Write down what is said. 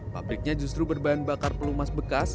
pabriknya justru berbahan bakar pelumas bekas